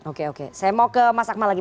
oke oke saya mau ke mas akmal lagi